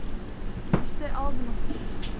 İşte, al bunu.